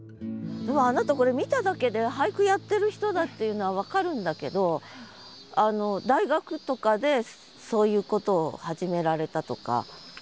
あなたこれ見ただけで俳句やってる人だっていうのは分かるんだけど大学とかでそういうことを始められたとか？